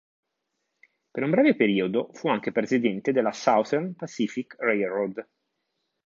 Per un breve periodo fu anche presidente della Southern Pacific Railroad.